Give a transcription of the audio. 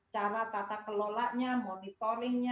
cara tata kelolanya monitoring